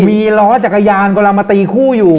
มีล้อจักรยานกำลังมาตีคู่อยู่